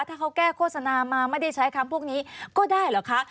ถ้าเขาแก้โฆษณามาไม่ได้ใช้คำพวกนี้ก็ได้เหรอคะ